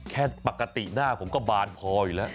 ปกติหน้าผมก็บานพออยู่แล้ว